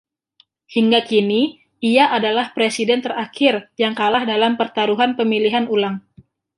Hingga kini, ia adalah presiden terakhir yang kalah dalam pertaruhan pemilihan ulang.